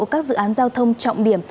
các dự án giao thông trọng điểm